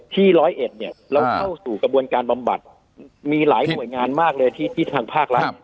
ร้อยเอ็ดเนี่ยเราเข้าสู่กระบวนการบำบัดมีหลายหน่วยงานมากเลยที่ทางภาครัฐ